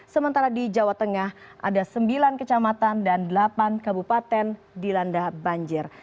sementara di jawa tengah ada sembilan kecamatan dan delapan kabupaten dilanda banjir